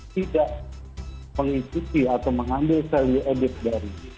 tidak mengikuti atau mengambil value added dari